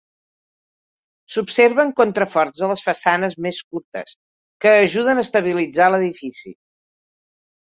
S'observen contraforts a les façanes més curtes, que ajuden a estabilitzar l'edifici.